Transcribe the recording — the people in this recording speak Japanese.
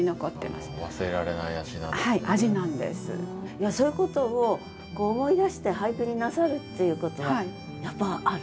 いやそういうことを思い出して俳句になさるっていうことはやっぱある？